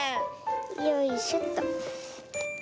よいしょっと。